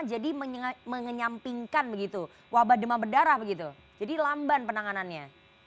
jadi mengenyampingkan begitu wabah demam berdarah begitu jadi lamban penanganannya